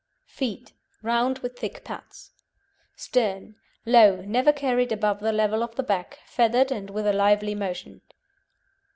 FEET Round, with thick pads. STERN Low, never carried above the level of the back, feathered, and with a lively motion.